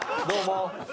どうも。